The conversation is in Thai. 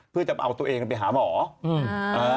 เพื่อจะเอาตัวเองไปหาหมอ